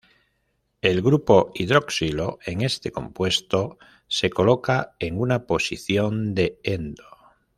El grupo hidroxilo en este compuesto se coloca en una posición de endo.